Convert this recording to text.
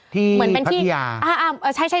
ที่พัทยา